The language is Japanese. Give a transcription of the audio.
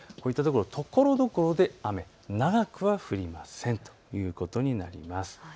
ところどころで雨、長くは降りませんということになります。